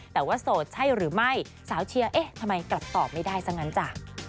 แต่ว่าโสดใช่หรือไม่สาวเชียร์เอ๊ะทำไมกลับตอบไม่ได้ซะงั้นจ้ะ